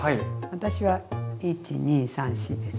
私は１２３４です。